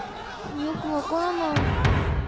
よく分からない。